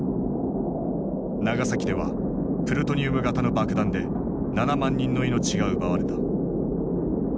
長崎ではプルトニウム型の爆弾で７万人の命が奪われた。